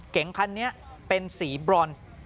เก๋งคันนี้เป็นสีบรอน